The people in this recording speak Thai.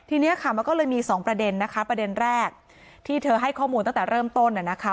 ทีนี้ค่ะมันก็เลยมีสองประเด็นนะคะประเด็นแรกที่เธอให้ข้อมูลตั้งแต่เริ่มต้นน่ะนะคะ